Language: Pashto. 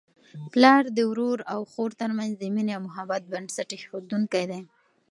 پلار د ورور او خور ترمنځ د مینې او محبت بنسټ ایښودونکی دی.